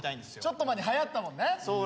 ちょっと前にはやったもんね。